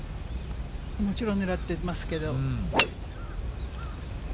もちろん狙ってますけど。